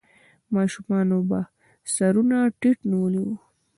ماشومانو به سرونه ټيټ نيولې وو.